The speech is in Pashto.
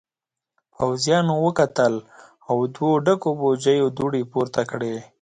پوځيانو وکتل او دوو ډکو بوجيو دوړې پورته کړې.